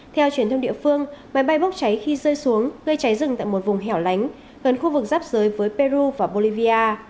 theo truyền thông địa phương máy bay bốc cháy khi rơi xuống gây cháy rừng tại một vùng hẻo lánh gần khu vực giáp giới với peru và bolivia